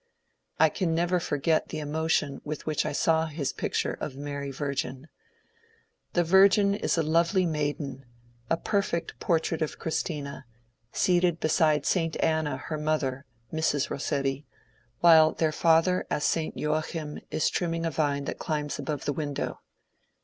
I can never forget the emotion with which I saw his picture of " Mary Virgin." The Virgin is a lovely maiden, a perfect portrait of Christina, seated beside St. Anna her mother D. G. BOSSETTI'S MAGDALENE 126 (Mrs. RoBsetti), while their father as St. Joachim is trimming a vine that climbs above the window.